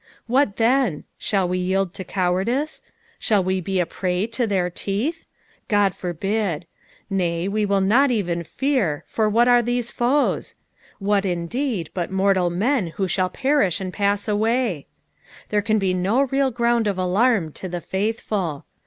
What then ? Shall we yield to cowardice ? Shall we be a prey to their teeth ? God forbid. Nay, we will not 414 EXPOBrnoNB ov the psalms. even fear, for what are these foes I Whnt indeed, but mortal raen who Hhall perish and pass nws; t There can be no real ground of alann to the faithful.